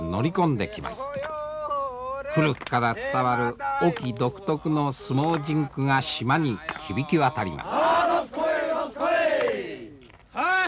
古くから伝わる隠岐独特の相撲甚句が島に響き渡ります。